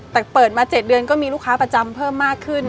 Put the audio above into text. แต่เปิดมา๗เดือนก็มีลูกค้าประจำเพิ่มมากขึ้น